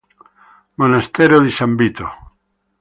Monastero di San Vito